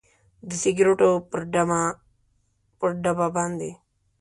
د سګریټو پر ډبه باندې